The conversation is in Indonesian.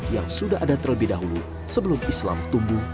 yang sudah ada terlebih dahulu sebelum islam tumbuh